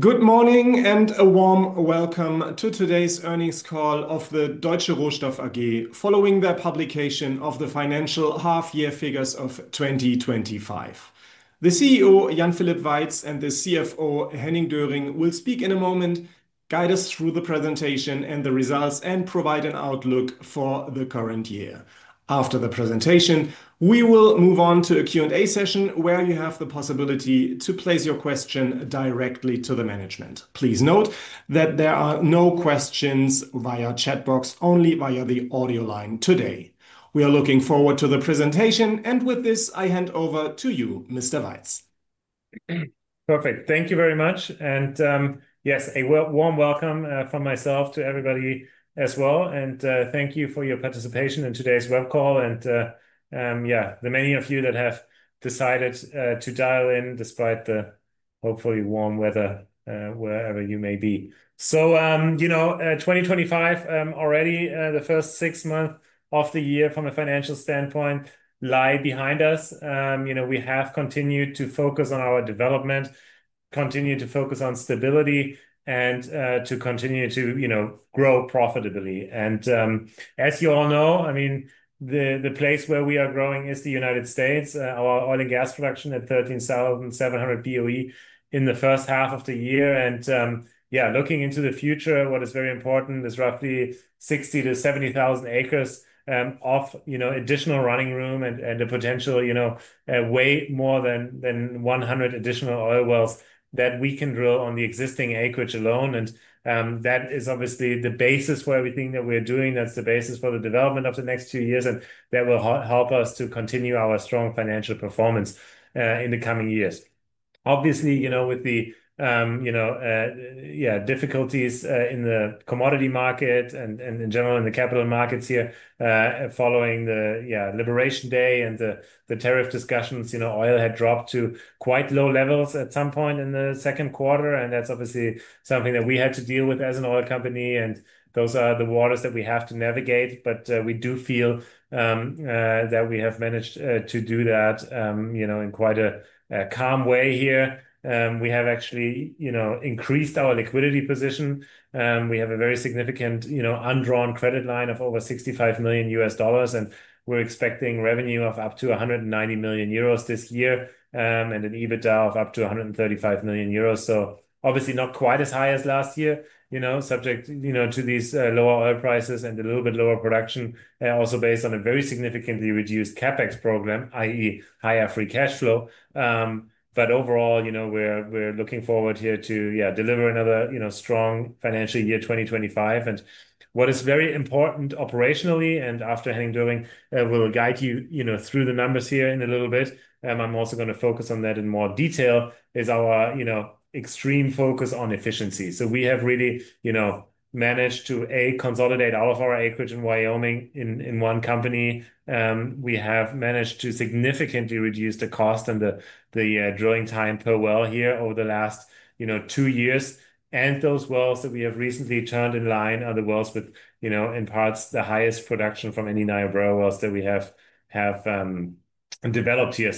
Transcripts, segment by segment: Good morning and a warm welcome to today's earnings call of Deutsche Rohstoff AG, following their publication of the financial half-year figures of 2025. The CEO, Jan-Philipp Weitz, and the CFO, Henning Döring, will speak in a moment, guide us through the presentation and the results, and provide an outlook for the current year. After the presentation, we will move on to a Q&A session where you have the possibility to place your question directly to the management. Please note that there are no questions via chatbots, only via the audio line today. We are looking forward to the presentation, and with this, I hand over to you, Mr. Weitz. Perfect. Thank you very much. Yes, a warm welcome from myself to everybody as well. Thank you for your participation in today's web call. The many of you that have decided to dial in despite the hopefully warm weather wherever you may be. 2025, already the first six months of the year from a financial standpoint lie behind us. We have continued to focus on our development, continued to focus on stability, and to continue to grow profitably. As you all know, the place where we are growing is the United States, our oil and gas production at 13,700 BOE in the first half of the year. Looking into the future, what is very important is roughly 60,000 - 70,000 acres of additional running room and the potential, way more than 100 additional oil wells that we can drill on the existing acreage alone. That is obviously the basis for everything that we're doing. That's the basis for the development of the next few years, and that will help us to continue our strong financial performance in the coming years. Obviously, with the difficulties in the commodity market and in general in the capital markets here, following the Liberation Day and the tariff discussions, oil had dropped to quite low levels at some point in the second quarter. That is obviously something that we had to deal with as an oil company. Those are the waters that we have to navigate. We do feel that we have managed to do that in quite a calm way here. We have actually increased our liquidity position. We have a very significant undrawn credit line of over $65 million. We're expecting revenue of up to 190 million euros this year and an EBITDA of up to 135 million. Obviously not quite as high as last year, subject to these lower oil prices and a little bit lower production, also based on a very significantly reduced CapEx program, i.e., higher free cash flow. Overall, we're looking forward here to deliver another strong financial year 2025. What is very important operationally, and after Henning Döring will guide you through the numbers here in a little bit, I'm also going to focus on that in more detail, is our extreme focus on efficiency. We have really managed to, A, consolidate all of our acreage in Wyoming in one company. We have managed to significantly reduce the cost and the drilling time per well here over the last two years. Those wells that we have recently turned in line are the wells with, in parts, the highest production from any nine wells that we have developed here.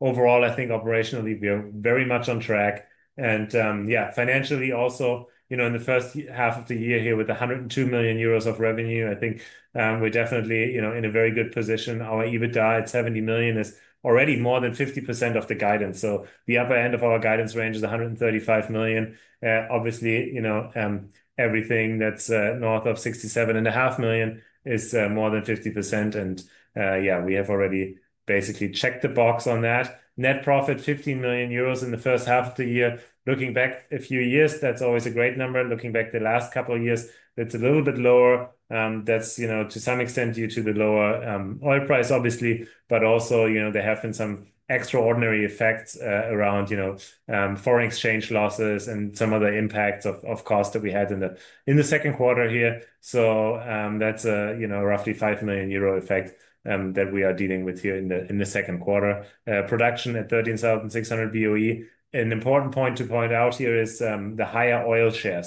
Overall, I think operationally we are very much on track. Financially also, in the first half of the year here with 102 million euros of revenue, I think we're definitely in a very good position. Our EBITDA at 70 million is already more than 50% of the guidance. The upper end of our guidance range is 135 million. Obviously, everything that's north of 67.5 million is more than 50%. We have already basically checked the box on that. Net profit 15 million euros in the first half of the year. Looking back a few years, that's always a great number. Looking back the last couple of years, it's a little bit lower. That's, to some extent, due to the lower oil price, obviously. There have been some extraordinary effects around foreign exchange losses and some of the impacts of costs that we had in the second quarter here. That's a roughly 5 million euro effect that we are dealing with here in the second quarter. Production at 13,659 BOE. An important point to point out here is the higher oil share.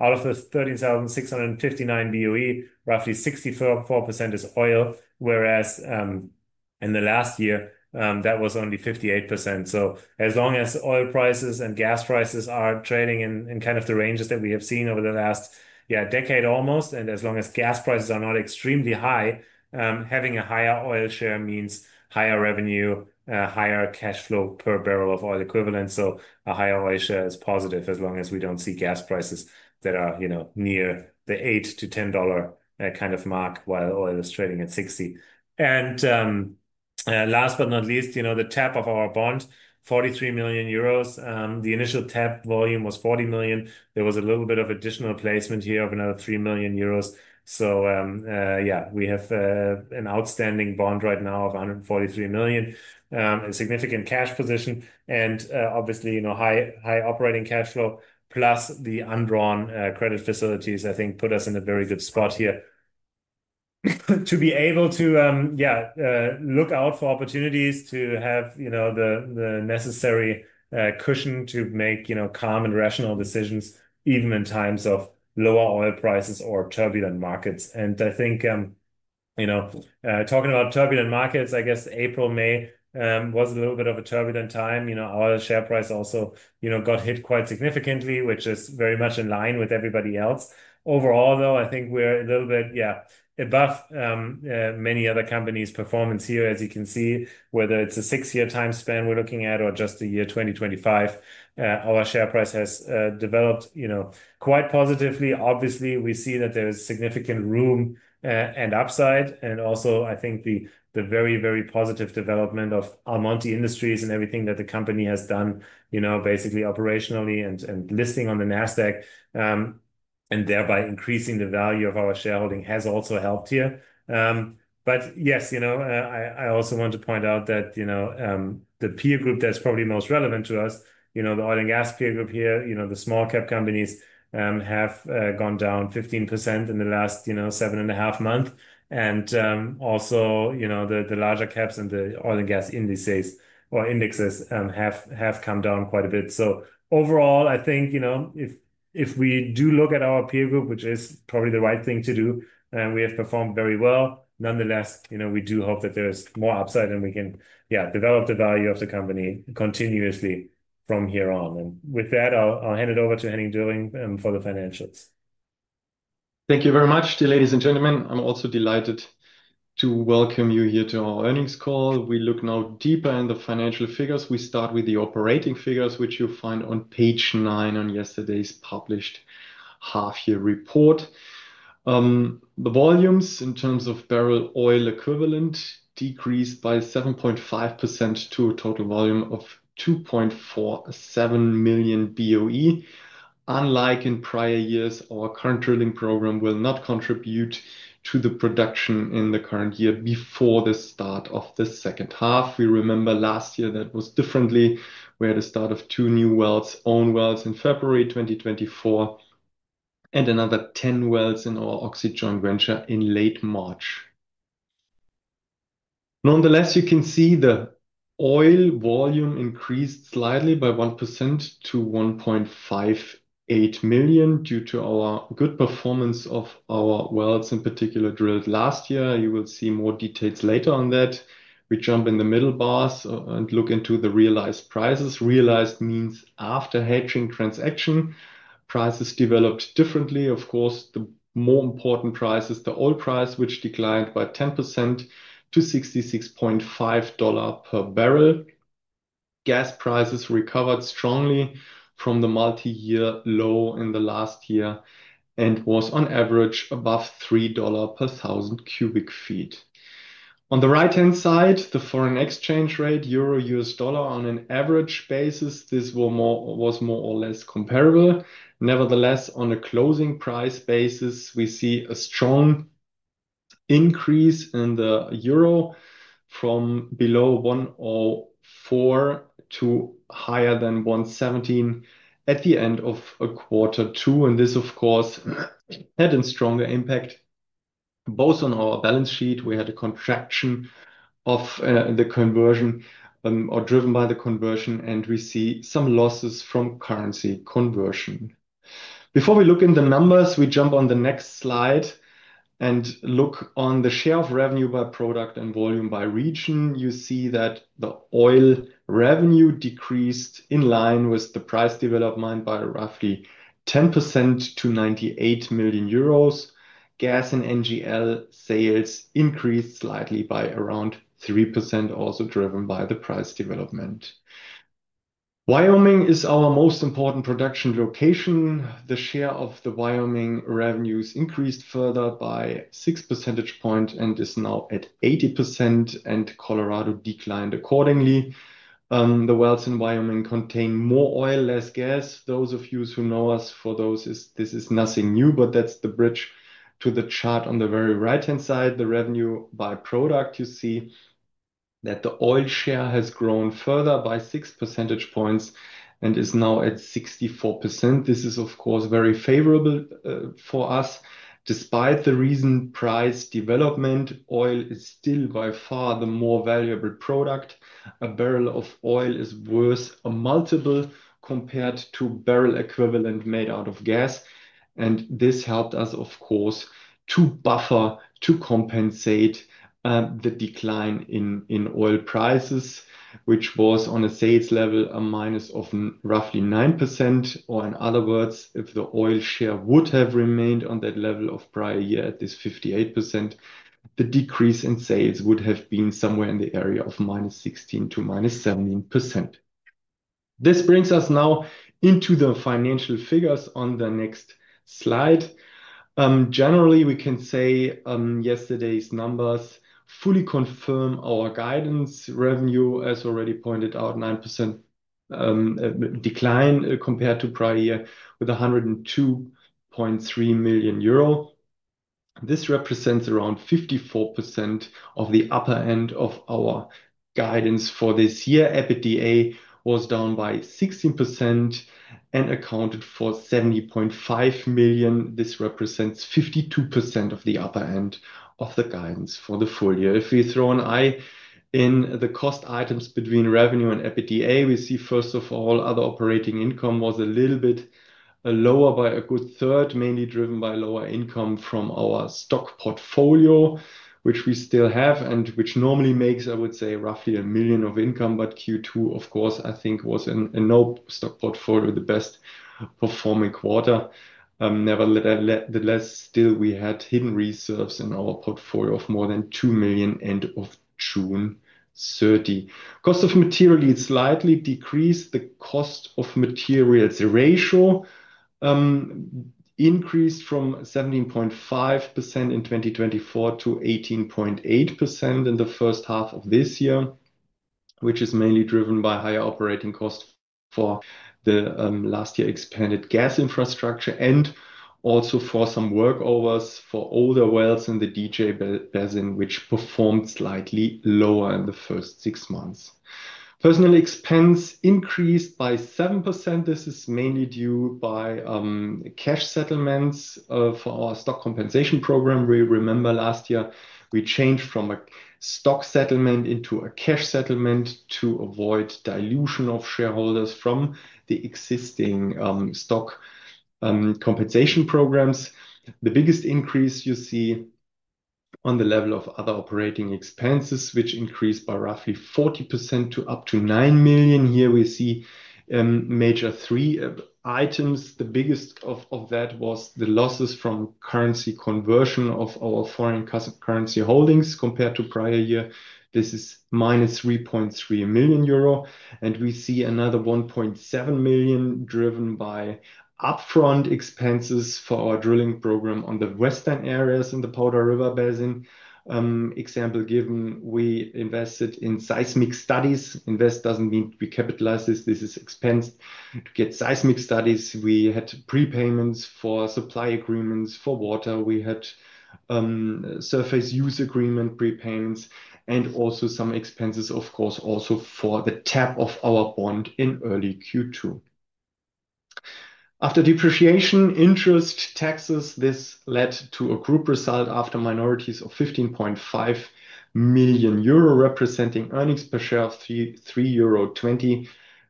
Out of those 13,659 BOE, roughly 64% is oil, whereas in the last year, that was only 58%. As long as oil prices and gas prices are trading in kind of the ranges that we have seen over the last decade almost, and as long as gas prices are not extremely high, having a higher oil share means higher revenue, higher cash flow per barrel of oil equivalent. A higher oil share is positive as long as we don't see gas prices that are near the $8 - $10 kind of mark while oil is trading at $60. Last but not least, the tap of our bond, 43 million euros. The initial tap volume was 40 million. There was a little bit of additional placement here of another 3 million euros. We have an outstanding bond right now of 143 million, a significant cash position, and obviously high operating cash flow plus the undrawn credit facilities. I think this puts us in a very good spot here to be able to look out for opportunities and have the necessary cushion to make calm and rational decisions even in times of lower oil prices or turbulent markets. Talking about turbulent markets, I guess April, May was a little bit of a turbulent time. Our share price also got hit quite significantly, which is very much in line with everybody else. Overall, though, I think we're a little bit above many other companies' performance here. As you can see, whether it's a six-year time span we're looking at or just the year 2025, our share price has developed quite positively. Obviously, we see that there is significant room and upside. Also, I think the very, very positive development of Almonty Industries and everything that the company has done, basically operationally and listing on the NASDAQ and thereby increasing the value of our shareholding, has also helped here. I also want to point out that the peer group that's probably most relevant to us, the oil and gas peer group here, the small cap companies have gone down 15% in the last seven and a half months. Also, the larger caps and the oil and gas indices or indexes have come down quite a bit. Overall, I think if we do look at our peer group, which is probably the right thing to do, we have performed very well. Nonetheless, we do hope that there is more upside and we can develop the value of the company continuously from here on. With that, I'll hand it over to Henning Döring for the financials. Thank you very much, ladies and gentlemen. I'm also delighted to welcome you here to our earnings call. We look now deeper into the financial figures. We start with the operating figures, which you'll find on page nine of yesterday's published half-year report. The volumes in terms of barrel oil equivalent decreased by 7.5% to a total volume of 2.47 million BOE. Unlike in prior years, our current drilling program will not contribute to the production in the current year before the start of the second half. We remember last year that was different, where the start of two new owned wells in February 2024 and another 10 wells in our Oxy Joint Venture in late March. Nonetheless, you can see the oil volume increased slightly by 1% to 1.58 million due to our good performance of our wells, in particular drilled last year. You will see more details later on that. We jump in the middle bars and look into the realized prices. Realized means after hedging transaction, prices developed differently. Of course, the more important price is the oil price, which declined by 10% to $66.50 per barrel. Gas prices recovered strongly from the multi-year low in the last year and were on average above $3 per thousand cubic feet. On the right-hand side, the foreign exchange rate, Euro U.S. Dollar, on an average basis, this was more or less comparable. Nevertheless, on a closing price basis, we see a strong increase in the Euro from below $1.04 to higher than $1.17 at the end of quarter two. This, of course, had a stronger impact both on our balance sheet. We had a contraction of the conversion or driven by the conversion, and we see some losses from currency conversion. Before we look in the numbers, we jump on the next slide and look on the share of revenue by product and volume by region. You see that the oil revenue decreased in line with the price development by roughly 10% to 98 million euros. Gas and NGL sales increased slightly by around 3%, also driven by the price development. Wyoming is our most important production location. The share of the Wyoming revenues increased further by six percentage points and is now at 80%, and Colorado declined accordingly. The wells in Wyoming contain more oil, less gas. Those of you who know us, for those, this is nothing new, but that's the bridge to the chart on the very right-hand side. The revenue by product, you see that the oil share has grown further by six percentage points and is now at 64%. This is, of course, very favorable for us. Despite the recent price development, oil is still by far the more valuable product. A barrel of oil is worth a multiple compared to barrel equivalent made out of gas. This helped us, of course, to buffer, to compensate the decline in oil prices, which was on a sales level a minus of roughly 9%. In other words, if the oil share would have remained on that level of prior year at this 58%, the decrease in sales would have been somewhere in the area of -16% to -17%. This brings us now into the financial figures on the next slide. Generally, we can say yesterday's numbers fully confirm our guidance. Revenue, as already pointed out, a 9% decline compared to prior year with 102.3 million euro. This represents around 54% of the upper end of our guidance for this year. EBITDA was down by 16% and accounted for 70.5 million. This represents 52% of the upper end of the guidance for the full year. If we throw an eye in the cost items between revenue and EBITDA, we see, first of all, other operating income was a little bit lower by a good third, mainly driven by lower income from our stock portfolio, which we still have and which normally makes, I would say, roughly 1 million of income. Q2, of course, I think was in no stock portfolio the best performing quarter. Nevertheless, still we had hidden reserves in our portfolio of more than 2 million end of June 30. Cost of material needs slightly decreased. The cost of materials ratio increased from 17.5% in 2023 to 18.8% in the first half of this year, which is mainly driven by higher operating costs for the last year expanded gas infrastructure and also for some work hours for older wells in the DJ Basin, which performed slightly lower in the first six months. Personnel expense increased by 7%. This is mainly due to cash settlements for our stock compensation program. We remember last year we changed from a stock settlement into a cash settlement to avoid dilution of shareholders from the existing stock compensation programs. The biggest increase you see on the level of other operating expenses, which increased by roughly 40% to up to 9 million. Here we see major three items. The biggest of that was the losses from currency conversion of our foreign custom currency holdings compared to prior year. This is -3.3 million euro. We see another 1.7 million driven by upfront expenses for our drilling program on the western areas in the Powder River Basin. Example given, we invested in seismic studies. Invest doesn't mean we capitalize this. This is expense. To get seismic studies, we had prepayments for supply agreements for water. We had surface use agreement prepayments and also some expenses, of course, also for the tap of our bond in early Q2. After depreciation, interest, taxes, this led to a group result after minorities of 15.5 million euro, representing earnings per share of 3.20 euro,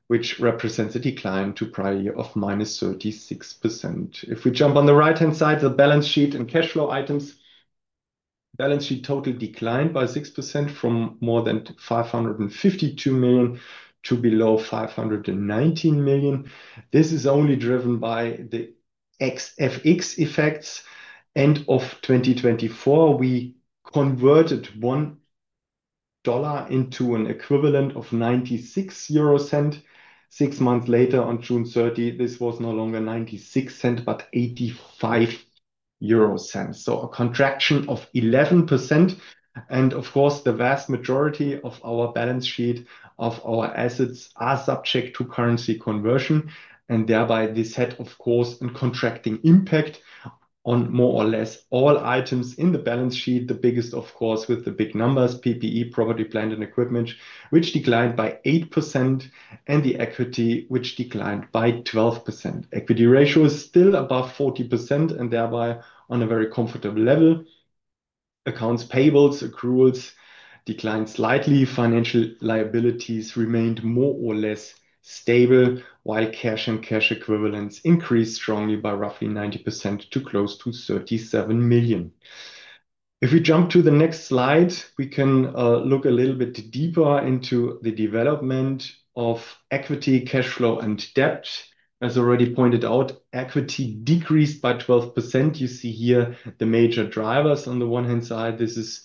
which represents a decline to prior year of -36%. If we jump on the right-hand side, the balance sheet and cash flow items, balance sheet total declined by 6% from more than 552 million to below 519 million. This is only driven by the FX effects. End of 2024, we converted $1 into an equivalent of 0.96 euro. Six months later, on June 30, this was no longer 0.96, but 0.85. A contraction of 11%. Of course, the vast majority of our balance sheet, of our assets, are subject to currency conversion. This had, of course, a contracting impact on more or less all items in the balance sheet. The biggest, of course, with the big numbers, PPE, Property, Plant and Equipment, which declined by 8%, and the equity, which declined by 12%. Equity ratio is still above 40% and thereby on a very comfortable level. Accounts payables, accruals declined slightly. Financial liabilities remained more or less stable, while cash and cash equivalents increased strongly by roughly 90% to close to 37 million. If we jump to the next slide, we can look a little bit deeper into the development of equity, cash flow, and debt. As already pointed out, equity decreased by 12%. You see here the major drivers on the one hand side. This is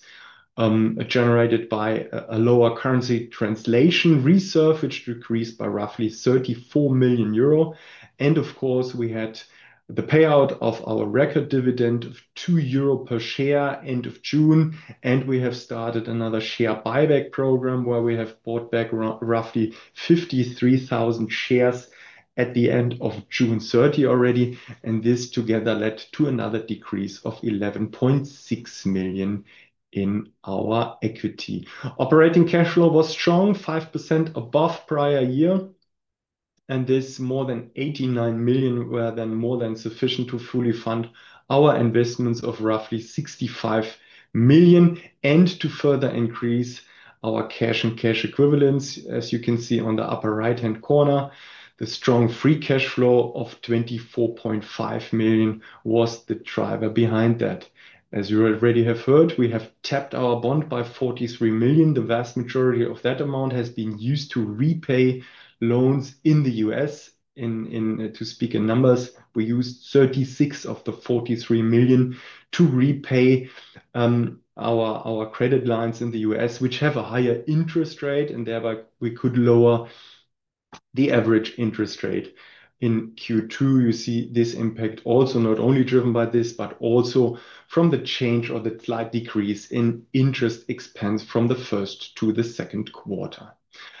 generated by a lower currency translation reserve, which decreased by roughly 34 million euro. We had the payout of our record dividend of 2 euro per share end of June. We have started another share buyback program where we have bought back roughly 53,000 shares at the end of June 30 already. This together led to another decrease of 11.6 million in our equity. Operating cash flow was strong, 5% above prior year. This more than 89 million was then more than sufficient to fully fund our investments of roughly 65 million and to further increase our cash and cash equivalents. As you can see on the upper right-hand corner, the strong free cash flow of 24.5 million was the driver behind that. As you already have heard, we have tapped our bond by 43 million. The vast majority of that amount has been used to repay loans in the U.S. In speaking numbers, we used 36 million of the 43 million to repay our credit lines in the U.S., which have a higher interest rate, and thereby we could lower the average interest rate. In Q2, you see this impact also not only driven by this, but also from the change or the slight decrease in interest expense from the first to the second quarter.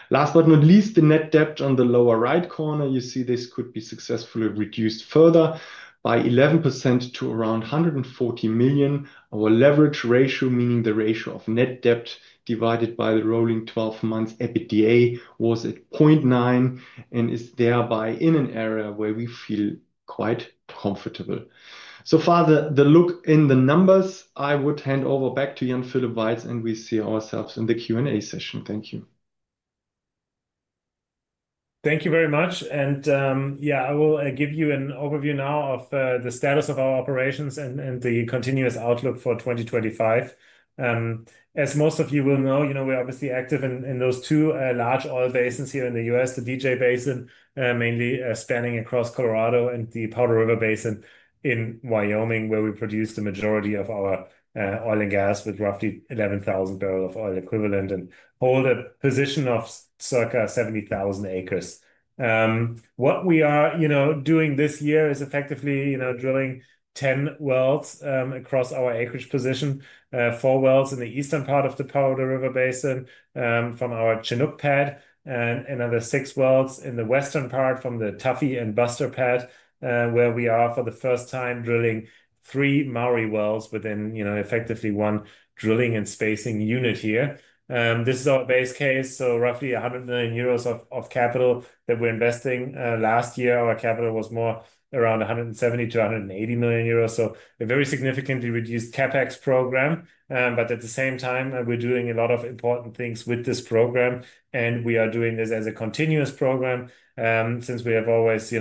Last but not least, the net debt on the lower right corner, you see this could be successfully reduced further by 11% to around 140 million. Our leverage ratio, meaning the ratio of net debt divided by the rolling 12 months EBITDA, was at 0.9x and is thereby in an area where we feel quite comfortable. So far, the look in the numbers, I would hand over back to Jan-Philipp Weitz, and we see ourselves in the Q&A session. Thank you. Thank you very much. I will give you an overview now of the status of our operations and the continuous outlook for 2025. As most of you will know, we're obviously active in those two large oil basins here in the U.S., the DJ Basin, mainly spanning across Colorado, and the Powder River Basin in Wyoming, where we produce the majority of our oil and gas with roughly 11,000 bbl of oil equivalent and hold a position of circa 70,000 acres. What we are doing this year is effectively drilling 10 wells across our acreage position, four wells in the eastern part of the Powder River Basin from our Chinook pad, and another six wells in the western part from the Tuffy and Buster pad, where we are for the first time drilling three Mowry wells within one drilling and spacing unit here. This is our base case, so roughly 100 million euros of capital that we're investing. Last year, our capital was more around 170 million euros - 180 million euros. A very significantly reduced CapEx program, but at the same time, we're doing a lot of important things with this program, and we are doing this as a continuous program since we have always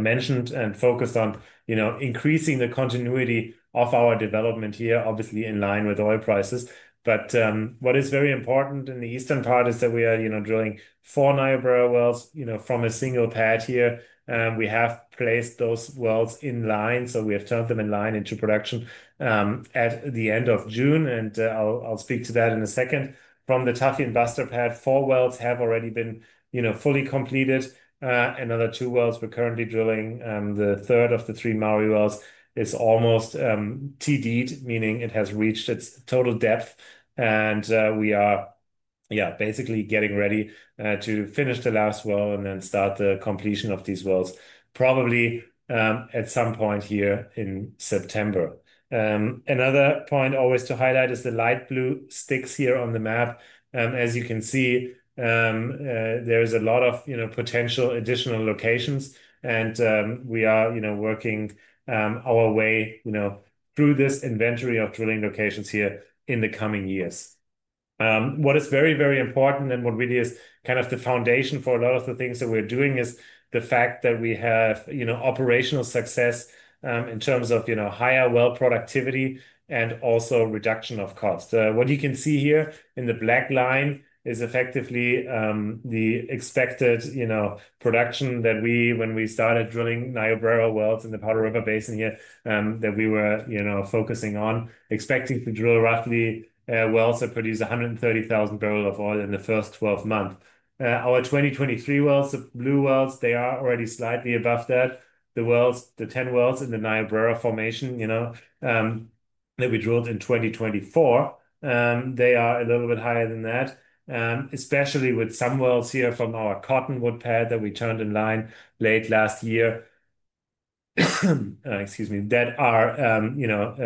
mentioned and focused on increasing the continuity of our development here, obviously in line with oil prices. What is very important in the eastern part is that we are drilling four 9 bbl wells from a single pad here. We have placed those wells in line, so we have turned them in line into production at the end of June, and I'll speak to that in a second. From the Tuffy and Buster pad, four wells have already been fully completed. Another two wells we're currently drilling, the third of the three Mowry wells is almost TD'ed, meaning it has reached its total depth, and we are basically getting ready to finish the last well and then start the completion of these wells probably at some point here in September. Another point always to highlight is the light blue sticks here on the map. As you can see, there's a lot of potential additional locations, and we are working our way through this inventory of drilling locations here in the coming years. What is very, very important and what really is kind of the foundation for a lot of the things that we're doing is the fact that we have operational success in terms of higher well productivity and also reduction of costs. What you can see here in the black line is effectively the expected production that we, when we started drilling 9 bbl wells in the Powder River Basin here, that we were focusing on, expecting to drill roughly wells that produce 130,000 bbl of oil in the first 12 months. Our 2023 wells, the blue wells, they are already slightly above that. The wells, the 10 wells in the 9 bbl formation that we drilled in 2024, they are a little bit higher than that, especially with some wells here from our Cottonwood pad that we turned in line late last year. Excuse me, that are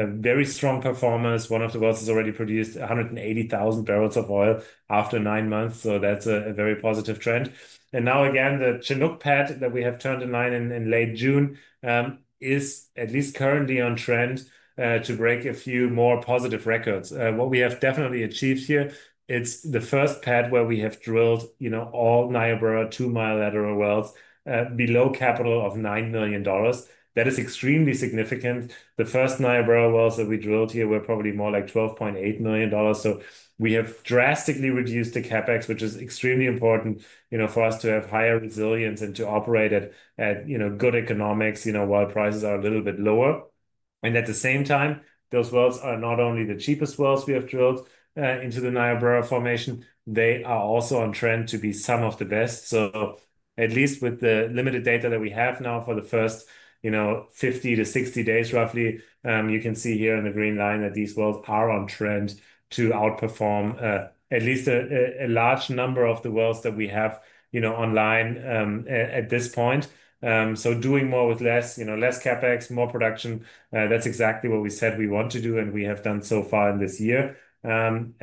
very strong performers. One of the wells has already produced 180,000 bbl of oil after nine months, so that's a very positive trend. Now again, the Chinook pad that we have turned in line in late June is at least currently on trend to break a few more positive records. What we have definitely achieved here, it's the first pad where we have drilled all 9 bbl two-mile lateral wells below capital of $9 million. That is extremely significant. The first 9 bbl wells that we drilled here were probably more like $12.8 million. We have drastically reduced the CapEx, which is extremely important for us to have higher resilience and to operate at good economics while prices are a little bit lower. At the same time, those wells are not only the cheapest wells we have drilled into the 9 bbl formation, they are also on trend to be some of the best. At least with the limited data that we have now for the first 50 - 60 days, roughly, you can see here in the green line that these wells are on trend to outperform at least a large number of the wells that we have online at this point. Doing more with less, less CapEx, more production, that's exactly what we said we want to do and we have done so far in this year. I'm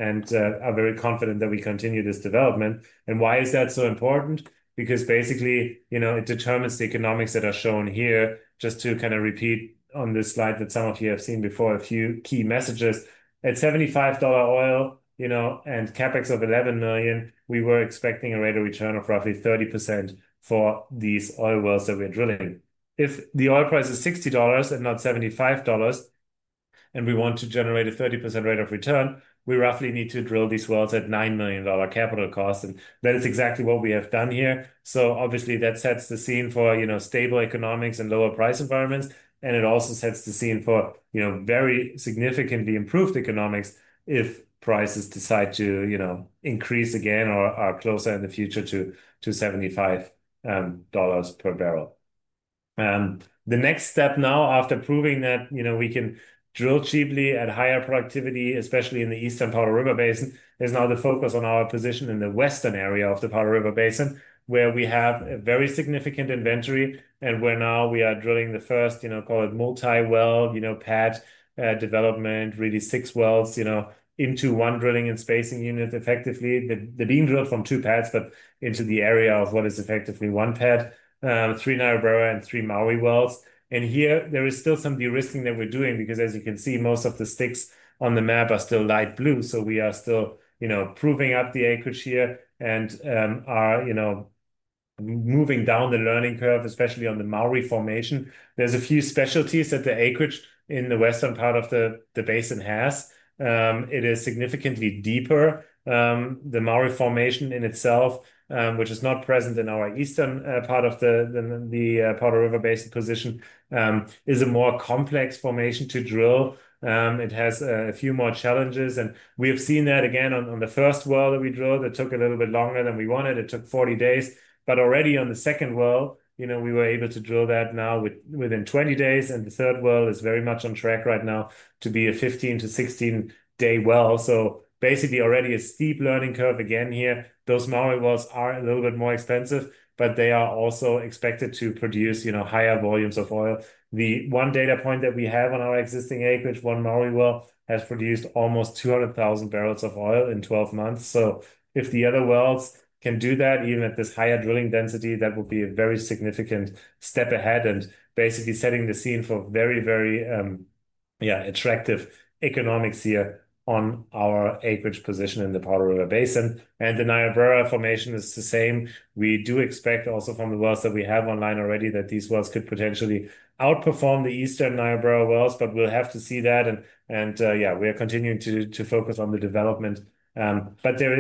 very confident that we continue this development. Why is that so important? Because basically, it determines the economics that are shown here. Just to kind of repeat on this slide that some of you have seen before, a few key messages. At $75 oil and CapEx of $11 million, we were expecting a rate of return of roughly 30% for these oil wells that we're drilling. If the oil price is $60 and not $75 and we want to generate a 30% rate of return, we roughly need to drill these wells at $9 million capital cost. That is exactly what we have done here. Obviously, that sets the scene for stable economics and lower price environments. It also sets the scene for very significantly improved economics if prices decide to increase again or are closer in the future to $75 per barrel. The next step now, after proving that we can drill cheaply at higher productivity, especially in the eastern Powder River Basin, is to focus on our position in the western area of the Powder River Basin, where we have a very significant inventory and where now we are drilling the first, call it multi-well pad development, really six wells into one drilling and spacing unit effectively. They're being drilled from two pads, but into the area of what is effectively one pad, three Niobrara and three Mowry wells. Here, there is still some de-risking that we're doing because, as you can see, most of the sticks on the map are still light blue. We are still proving up the acreage here and are moving down the learning curve, especially on the Mowry formation. There's a few specialties that the acreage in the western part of the basin has. It is significantly deeper. The Mowry formation in itself, which is not present in our eastern part of the Powder River Basin position, is a more complex formation to drill. It has a few more challenges. We have seen that again on the first well that we drilled that took a little bit longer than we wanted. It took 40 days. Already on the second well, we were able to drill that now within 20 days. The third well is very much on track right now to be a 15 - 16-day well. Basically, already a steep learning curve again here. Those Mowry wells are a little bit more expensive, but they are also expected to produce higher volumes of oil. The one data point that we have on our existing acreage, one Mowry well, has produced almost 200,000 bbl of oil in 12 months. If the other wells can do that, even at this higher drilling density, that would be a very significant step ahead and basically setting the scene for very, very attractive economics here on our acreage position in the Powder River Basin. The Niobrara formation is the same. We do expect also from the wells that we have online already that these wells could potentially outperform the eastern Niobrara wells, but we'll have to see that. Yeah, we are continuing to focus on the development. There are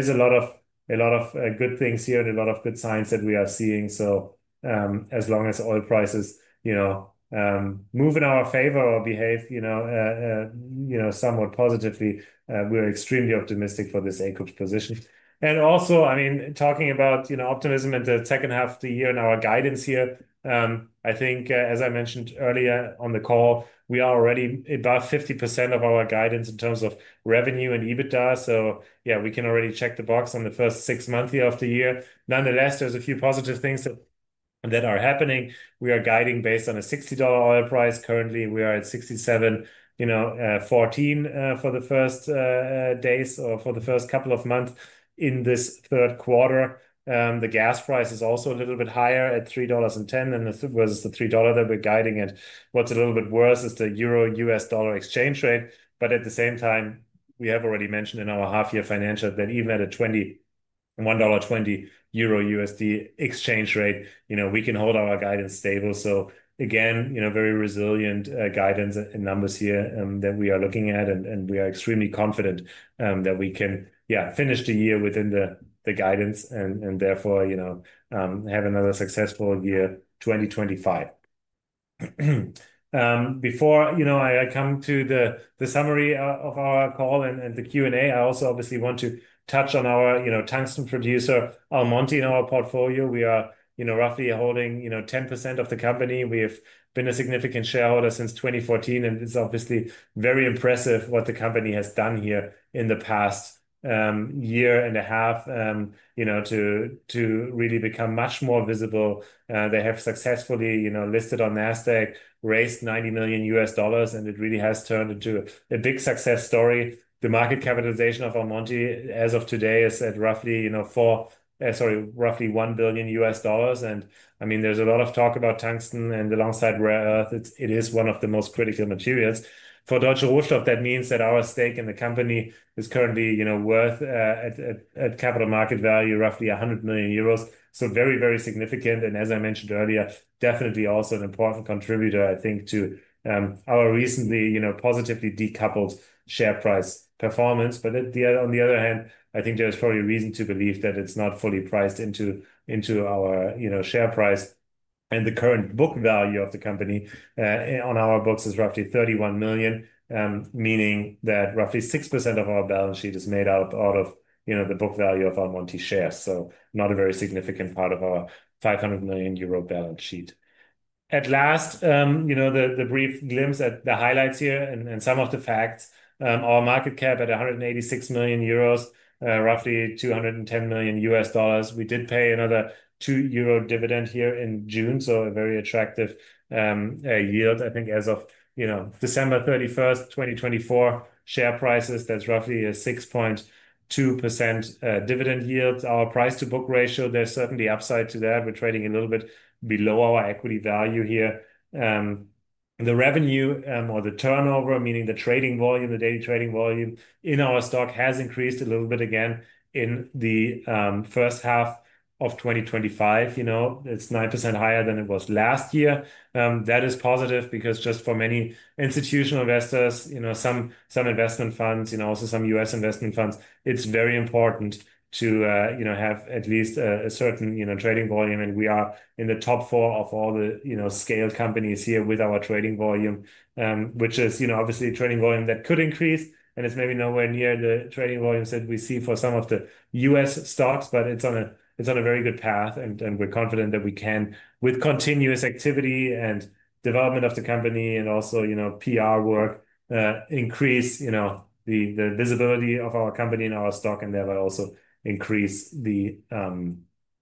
a lot of good things here and a lot of good signs that we are seeing. As long as oil prices, you know, move in our favor or behave, you know, somewhat positively, we're extremely optimistic for this acreage position. Also, I mean, talking about, you know, optimism in the second half of the year in our guidance here, I think, as I mentioned earlier on the call, we are already above 50% of our guidance in terms of revenue and EBITDA. We can already check the box on the first six months of the year. Nonetheless, there's a few positive things that are happening. We are guiding based on a $60 oil price. Currently, we are at $67.14 for the first days or for the first couple of months in this third quarter. The gas price is also a little bit higher at $3.10, and this was the $3 that we're guiding at. What's a little bit worse is the Euro U.S. Dollar exchange rate. At the same time, we have already mentioned in our half-year financial that even at a [$1.20] Euro USD exchange rate, you know, we can hold our guidance stable. Again, you know, very resilient guidance and numbers here that we are looking at, and we are extremely confident that we can, yeah, finish the year within the guidance and therefore, you know, have another successful year 2025. Before I come to the summary of our call and the Q&A, I also obviously want to touch on our, you know, tungsten producer Almonty Industries in our portfolio. We are, you know, roughly holding, you know, 10% of the company. We have been a significant shareholder since 2014, and it's obviously very impressive what the company has done here in the past year and a half, you know, to really become much more visible. They have successfully, you know, listed on NASDAQ, raised $90 million, and it really has turned into a big success story. The market capitalization of Almonty Industries as of today is at roughly, you know, four, sorry, roughly $1 billion. There is a lot of talk about tungsten, and alongside rare earth, it is one of the most critical materials. For Deutsche Rohstoff, that means that our stake in the company is currently, you know, worth at capital market value roughly 100 million euros. Very, very significant. As I mentioned earlier, definitely also an important contributor, I think, to our recently, you know, positively decoupled share price performance. On the other hand, I think there's probably a reason to believe that it's not fully priced into our share price. The current book value of the company on our books is roughly 31 million, meaning that roughly 6% of our balance sheet is made out of the book value of Almonty shares. Not a very significant part of our 500 million euro balance sheet. At last, the brief glimpse at the highlights here and some of the facts. Our market cap at 186 million euros, roughly $210 million. We did pay another 2 euro dividend here in June, so a very attractive yield. I think as of December 31st, 2024, share prices, that's roughly a 6.2% dividend yield. Our price-to-book ratio, there's certainly upside to that. We're trading a little bit below our equity value here. The revenue or the turnover, meaning the trading volume, the daily trading volume in our stock has increased a little bit again in the first half of 2025. It's 9% higher than it was last year. That is positive because just for many institutional investors, some investment funds, also some U.S. investment funds, it's very important to have at least a certain trading volume. We are in the top four of all the scaled companies here with our trading volume, which is obviously a trading volume that could increase. It's maybe nowhere near the trading volumes that we see for some of the U.S. stocks, but it's on a very good path. We're confident that we can, with continuous activity and development of the company and also PR work, increase the visibility of our company and our stock and thereby also increase the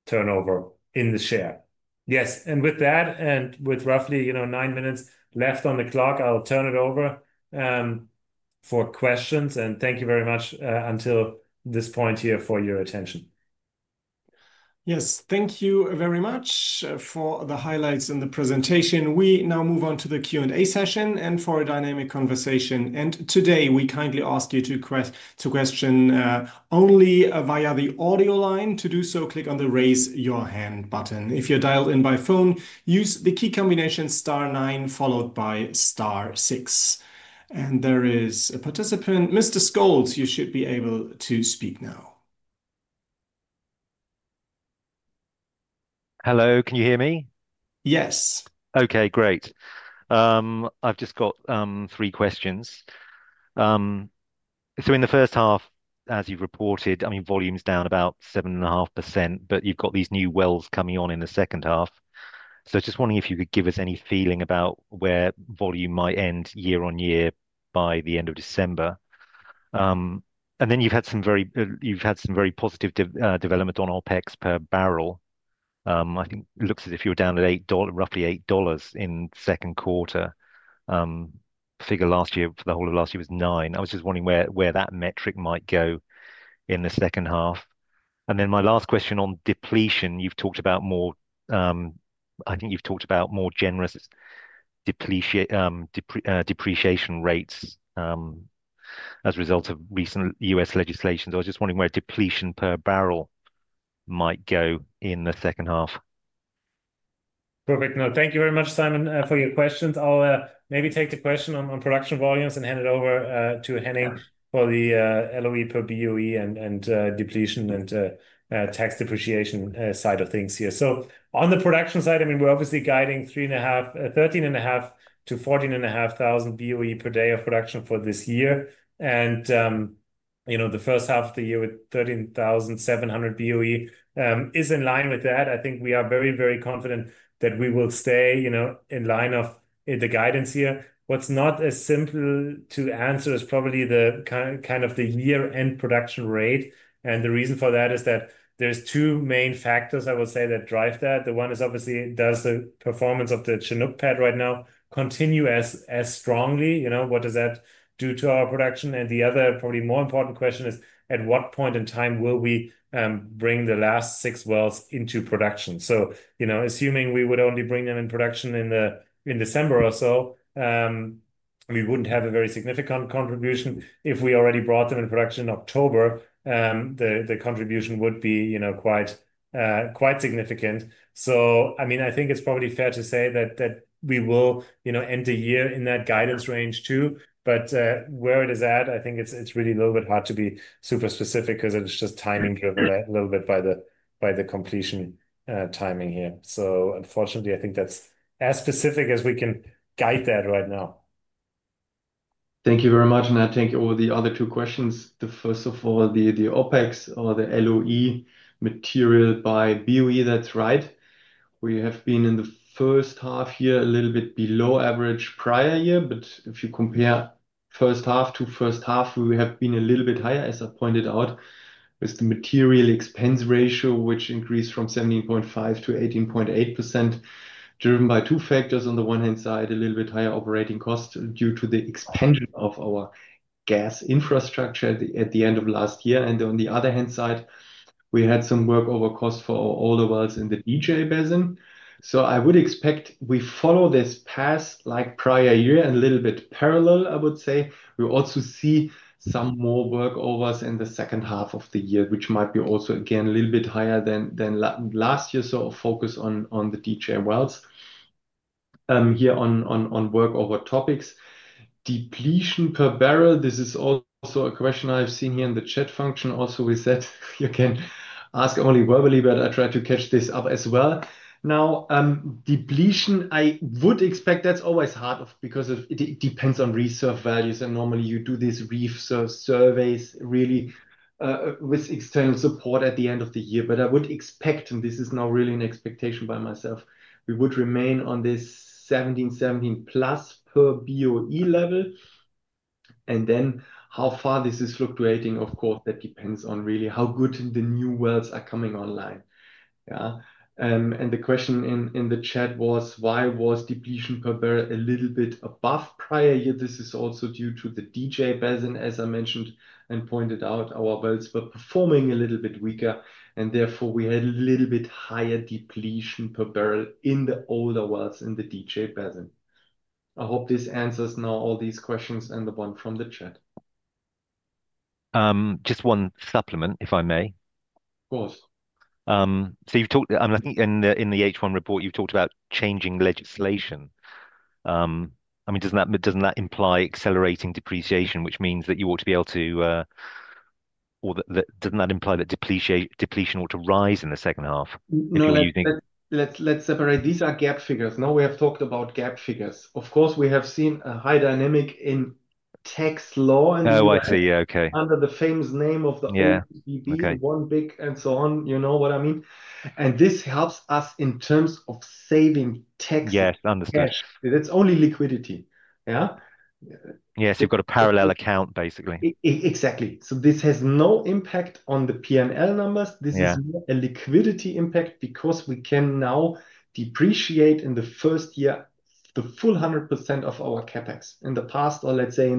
turnover in the share. Yes. With that and with roughly nine minutes left on the clock, I'll turn it over for questions. Thank you very much until this point here for your attention. Yes, thank you very much for the highlights and the presentation. We now move on to the Q&A session for a dynamic conversation. Today, we kindly ask you to question only via the audio line. To do so, click on the Raise Your Hand button. If you're dialed in by phone, use the key combination star nine followed by star six. There is a participant, Mr. Scholes, you should be able to speak now. Hello, can you hear me? Yes. Okay, great. I've just got three questions. In the first half, as you've reported, I mean, volume's down about 7.5%, but you've got these new wells coming on in the second half. I was just wondering if you could give us any feeling about where volume might end year on year by the end of December. You've had some very positive development on OpEx per barrel. I think it looks as if you were down at roughly $8 in the second quarter. The figure last year, for the whole of last year, was $9. I was just wondering where that metric might go in the second half. My last question on depletion, I think you've talked about more generous depreciation rates as a result of recent U.S. legislation. I was just wondering where depletion per barrel might go in the second half? Perfect. No, thank you very much, Simon, for your questions. I'll maybe take the question on production volumes and hand it over to Henning for the LOE per BOE and depletion and tax depreciation side of things here. On the production side, we're obviously guiding 13,500 BOE - 14,500 BOE per day of production for this year. The first half of the year with 13,700 BOE is in line with that. I think we are very, very confident that we will stay in line with the guidance here. What's not as simple to answer is probably the kind of the year-end production rate. The reason for that is that there are two main factors, I would say, that drive that. One is obviously, does the performance of the Chinook pad right now continue as strongly? What does that do to our production? The other, probably more important question is, at what point in time will we bring the last six wells into production? Assuming we would only bring them in production in December or so, we wouldn't have a very significant contribution. If we already brought them in production in October, the contribution would be quite significant. I think it's probably fair to say that we will end the year in that guidance range too. Where it is at, I think it's really a little bit hard to be super specific because it's just timing driven a little bit by the completion timing here. Unfortunately, I think that's as specific as we can guide that right now. Thank you very much. I think all the other two questions, first of all, the OpEx or the LOE material by BOE, that's right. We have been in the first half here a little bit below average prior year. If you compare first half to first half, we have been a little bit higher, as I pointed out, with the material expense ratio, which increased from 17.5% - 18.8%, driven by two factors. On the one hand side, a little bit higher operating costs due to the expansion of our gas infrastructure at the end of last year. On the other hand side, we had some workover costs for our older wells in the DJ Basin. I would expect we follow this path like prior year and a little bit parallel, I would say. We also see some more workovers in the second half of the year, which might be also again a little bit higher than last year. Focus on the DJ and wells. Here on workover topics, depletion per barrel, this is also a question I've seen here in the chat function. Also, we said you can ask only verbally, but I try to catch this up as well. Now, depletion, I would expect that's always hard because it depends on reserve values. Normally you do these reserve surveys really with external support at the end of the year. I would expect, and this is now really an expectation by myself, we would remain on this 17.17+ per BOE level. How far this is fluctuating, of course, that depends on really how good the new wells are coming online. The question in the chat was, why was depletion per barrel a little bit above prior year? This is also due to the DJ Basin, as I mentioned and pointed out, our wells were performing a little bit weaker. Therefore, we had a little bit higher depletion per barrel in the older wells in the DJ Basin. I hope this answers now all these questions and the one from the chat. Just one supplement, if I may. Of course. In the H1 report, you've talked about changing legislation. I mean, doesn't that imply accelerating depreciation, which means that you ought to be able to, or doesn't that imply that depletion ought to rise in the second half? No, let's separate. These are GAAP figures. Now we have talked about GAAP figures. Of course, we have seen a high dynamic in tax law and so on. Oh, I see. Yeah, okay. Under the famous name of the OECD, one big and so on, you know what I mean? This helps us in terms of saving tax. Yes, understood. That's only liquidity. Yeah. Yes, you've got a parallel account, basically. Exactly. This has no impact on the P&L numbers. This is a liquidity impact because we can now depreciate in the first year the full 100% of our CapEx. In the past, or let's say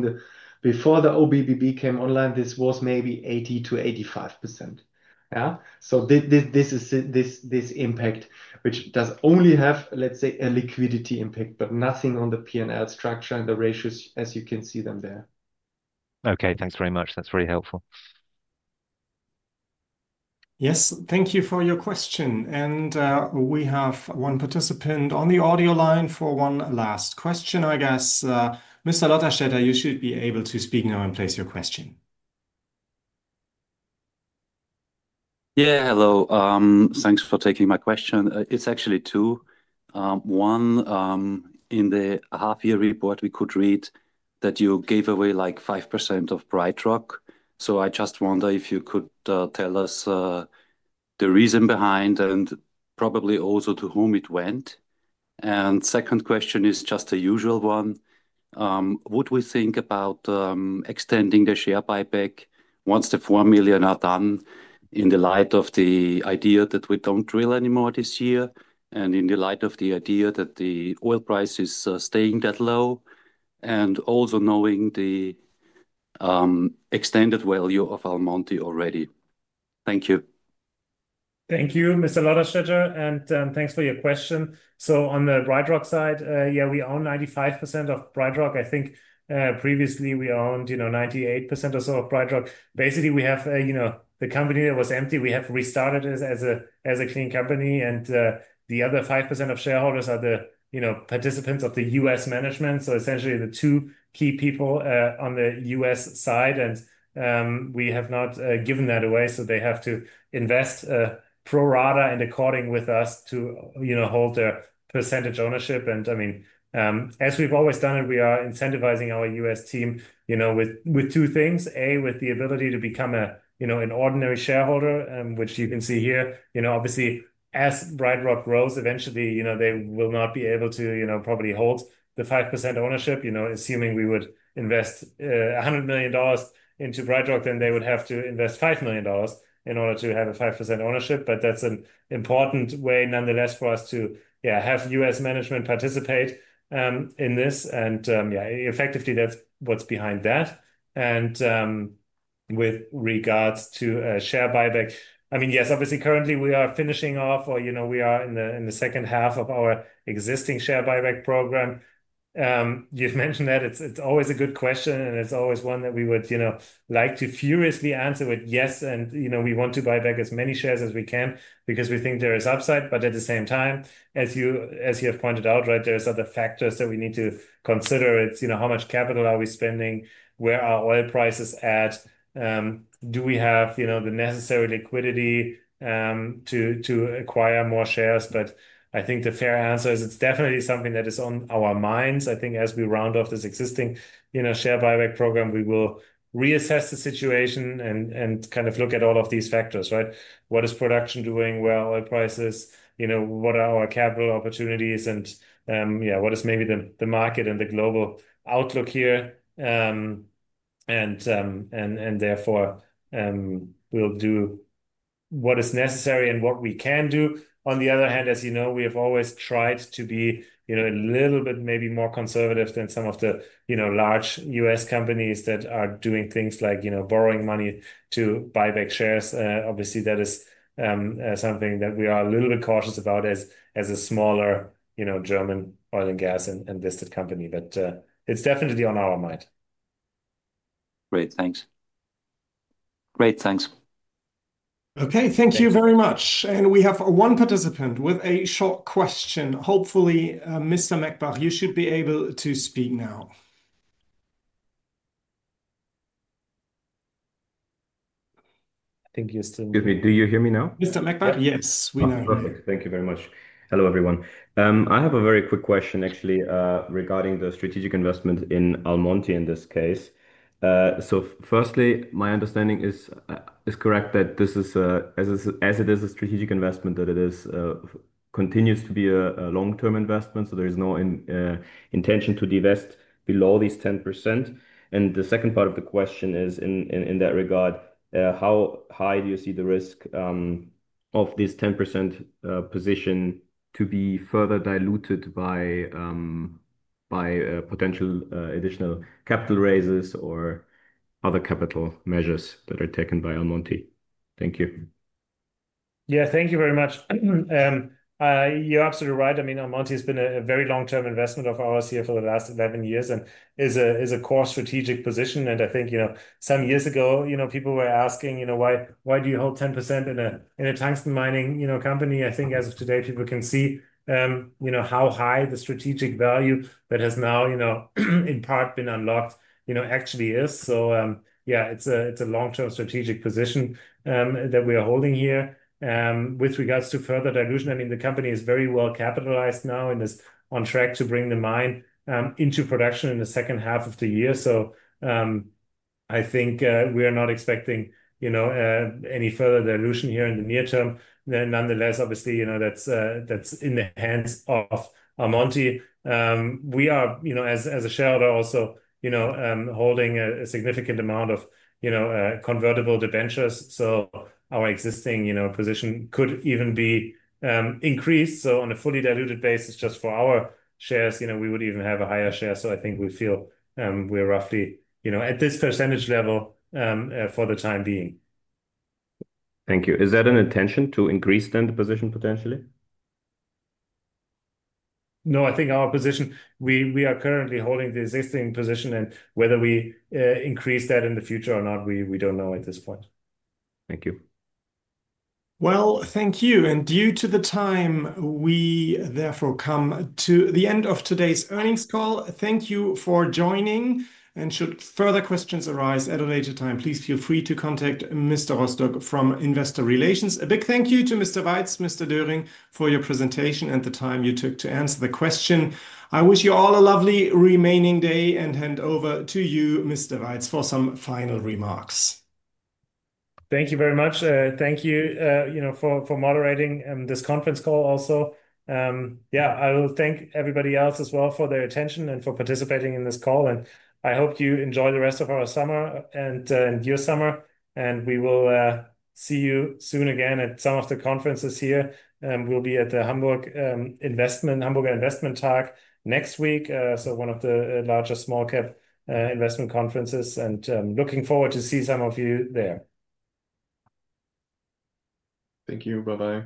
before the OBBB came online, this was maybe 80% - 85%. This is this impact, which does only have, let's say, a liquidity impact, but nothing on the P&L structure and the ratios, as you can see them there. Okay, thanks very much. That's very helpful. Yes, thank you for your question. We have one participant on the audio line for one last question, I guess. Mr. Rotashedder, you should be able to speak now and place your question. Yeah, hello. Thanks for taking my question. It's actually two. One, in the half-year report, we could read that you gave away like 5% of Bright Rock. I just wonder if you could tell us the reason behind and probably also to whom it went. The second question is just a usual one. Would we think about extending the share buyback once the $4 million are done in the light of the idea that we don't drill anymore this year and in the light of the idea that the oil price is staying that low and also knowing the extended value of Almonty already? Thank you. Thank you, Mr. Rotashedder, and thanks for your question. On the Bright Rock side, yeah, we own 95% of Bright Rock. I think previously we owned, you know, 98% or so of Bright Rock. Basically, we have the company that was empty. We have restarted it as a clean company. The other 5% of shareholders are the participants of the U.S. management, so essentially the two key people on the U.S. side. We have not given that away. They have to invest pro rata and according with us to hold their % ownership. As we've always done it, we are incentivizing our U.S. team with two things. A, with the ability to become an ordinary shareholder, which you can see here. Obviously, as Bright Rock grows, eventually they will not be able to probably hold the 5% ownership. Assuming we would invest $100 million into Bright Rock, then they would have to invest $5 million in order to have a 5% ownership. That's an important way, nonetheless, for us to have U.S. management participate in this. Effectively, that's what's behind that. With regards to share buyback, yes, obviously, currently we are finishing off or we are in the second half of our existing share buyback program. You've mentioned that it's always a good question and it's always one that we would like to furiously answer with yes. We want to buy back as many shares as we can because we think there is upside. At the same time, as you have pointed out, there are other factors that we need to consider. It's how much capital are we spending, where are oil prices at, do we have the necessary liquidity to acquire more shares. I think the fair answer is it's definitely something that is on our minds. I think as we round off this existing share buyback program, we will reassess the situation and kind of look at all of these factors, right? What is production doing, where are oil prices, what are our capital opportunities, and what is maybe the market and the global outlook here. Therefore, we'll do what is necessary and what we can do. On the other hand, as you know, we have always tried to be a little bit maybe more conservative than some of the large U.S. companies that are doing things like borrowing money to buy back shares. Obviously, that is something that we are a little bit cautious about as a smaller German oil and gas and listed company. It's definitely on our mind. Great, thanks. Great, thanks. Okay, thank you very much. We have one participant with a short question. Hopefully, Mr. Mekbah, you should be able to speak now. Thank you, Steve. Excuse me, do you hear me now? Mr. Mekbah, yes, we know. Perfect. Thank you very much. Hello everyone. I have a very quick question, actually, regarding the strategic investment in Almonty in this case. Firstly, my understanding is correct that this is, as it is a strategic investment, that it continues to be a long-term investment. There is no intention to divest below these 10%. The second part of the question is, in that regard, how high do you see the risk of this 10% position to be further diluted by potential additional capital raises or other capital measures that are taken by Almonty? Thank you. Thank you very much. You're absolutely right. Almonty has been a very long-term investment of ours here for the last 11 years and is a core strategic position. I think, some years ago, people were asking, you know, why do you hold 10% in a tungsten mining company? I think as of today, people can see how high the strategic value that has now, in part been unlocked, actually is. It's a long-term strategic position that we are holding here. With regards to further dilution, the company is very well capitalized now and is on track to bring the mine into production in the second half of the year. I think we are not expecting any further dilution here in the near term. Nonetheless, obviously, that's in the hands of Almonty. We are, as a shareholder, also holding a significant amount of convertible debentures. Our existing position could even be increased. On a fully diluted basis, just for our shares, we would even have a higher share. I think we feel we're roughly at this percentage level for the time being. Thank you. Is that an intention to increase then the position potentially? No, I think our position, we are currently holding the existing position and whether we increase that in the future or not, we don't know at this point. Thank you. Thank you. Due to the time, we therefore come to the end of today's earnings call. Thank you for joining. Should further questions arise at a later time, please feel free to contact Mr. Rostock from Investor Relations. A big thank you to Mr. Weitz and Mr. Döring for your presentation and the time you took to answer the question. I wish you all a lovely remaining day and hand over to you, Mr. Weitz, for some final remarks. Thank you very much. Thank you for moderating this conference call also. I will thank everybody else as well for their attention and for participating in this call. I hope you enjoy the rest of our summer and your summer. We will see you soon again at some of the conferences here. We'll be at the Hamburg Investment Talk next week, one of the largest small-cap investment conferences. Looking forward to seeing some of you there. Thank you. Bye-bye.